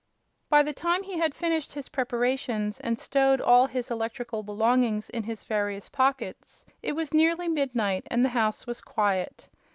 By the time he had finished his preparations and stowed all his electrical belongings in his various pockets, it was nearly midnight and the house was quiet.